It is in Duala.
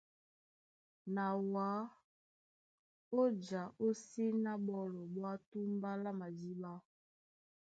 Na wǎ ó ja ó síná á ɓólɔ ɓwá túmbá lá madíɓá.